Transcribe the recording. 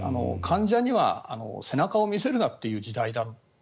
患者には背中を見せるなっていう時代だと。